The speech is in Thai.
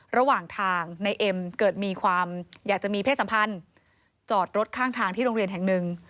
ระหว่างทางในเอ็มเกิดมีความอยากจะมีเพศสัมพันธ์จอดรถข้างทางที่โรงเรียนแห่งหนึ่ง